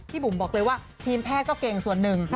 บุ๋มบอกเลยว่าทีมแพทย์ก็เก่งส่วนหนึ่ง